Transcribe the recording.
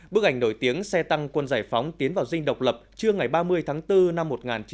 bức ảnh nổi tiếng xe tăng quân giải phóng tiến vào dinh độc lập trưa ngày ba mươi tháng bốn năm một nghìn chín trăm bảy mươi năm